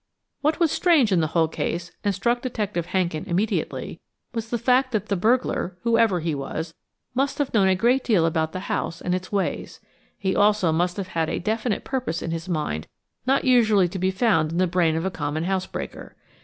What was strange in the whole case, and struck Detective Hankin immediately, was the fact that the burglar, whoever he was, must have known a great deal about the house and its ways. He also must have had a definite purpose in his mind not usually to be found in the brain of a common housebreaker.